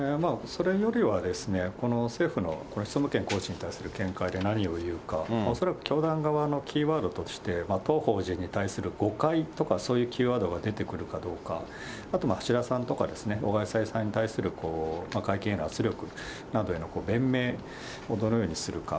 それよりは、この政府のこの質問権行使に対する見解で何を言うか、恐らく教団側のキーワードとして、当法人に対して誤解とか、そういうキーワードが出てくるかどうか、あと橋田さんとか小川さゆりさんに対する会見への圧力、弁明をどのようにするか。